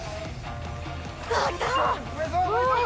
あっきた。